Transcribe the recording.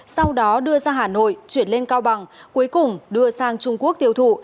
sau đó đưa ra hà nội chuyển lên cao bằng cuối cùng đưa sang trung quốc tiêu thụ